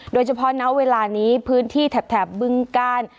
โดยเฉพาะณเวลานี้พื้นที่แถบบึงกาล